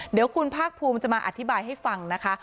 เดี๋ยวคุณภาคภูมิจะมาอธิบายให้ฟังนะคะ